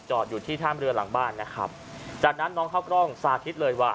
อยู่ที่ท่ามเรือหลังบ้านนะครับจากนั้นน้องเข้ากล้องสาธิตเลยว่า